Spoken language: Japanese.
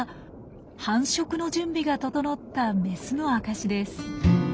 繁殖の準備が整ったメスの証しです。